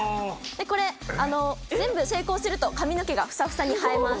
これ全部成功すると髪の毛がフサフサに生えます。